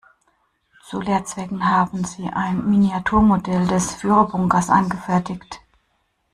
Zu Lehrzwecken haben sie ein Miniaturmodell des Führerbunkers angefertigt.